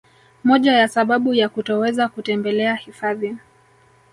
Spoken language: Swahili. Moja ya sababu ya kutoweza kutembelea hifadhi